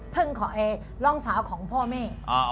เพิ่งขอน้องสาวของพ่อแม่